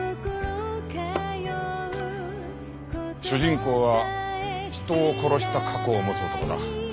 主人公は人を殺した過去を持つ男だ。